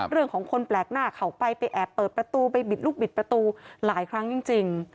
เรื่องของคนแปลกหน้าเข้าไปไปแอบเปิดประตูไปบิดลูกบิดประตูหลายครั้งจริง